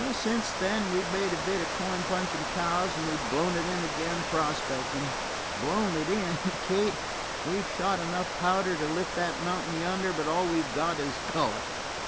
"Since then we've made a bit of coin punching cows and we've blown it in again prospecting. Blown it in? Kate, we've shot enough powder to lift that mountain yonder but all we've got is color.